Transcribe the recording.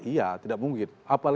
iya tidak mungkin